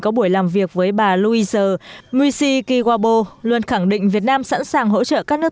có buổi làm việc với bà louis muisi kiwabo luôn khẳng định việt nam sẵn sàng hỗ trợ các nước